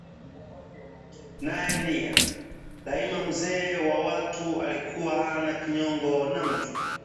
naye nia? Daima mzee wa watu alikuwa hana kinyongo na mtu